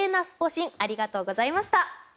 神ありがとうございました。